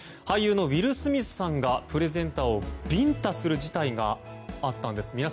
俳優のウィル・スミスさんがプレゼンターをビンタする事態があったんです。